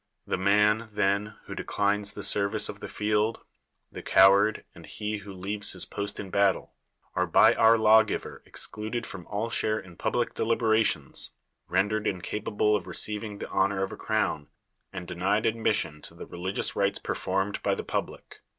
The man, then, who declines the service of the field, the coward, and he who leaves his post in battle, are by our lawgiver excluded from all share in public deliberations, rendered in capable of receiving the honor of a crown, and denied admission to the religious rites performed by the public.